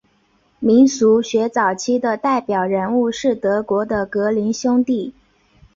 民俗学早期的代表人物是德国的格林兄弟。